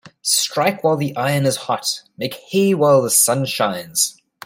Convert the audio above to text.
Strike while the iron is hot Make hay while the sun shines.